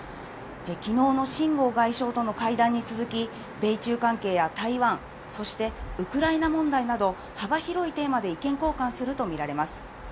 きのうのシン・ゴウ外相との会談に続き、米中関係や台湾、そしてウクライナ問題など幅広いテーマで意見交換するとみられます。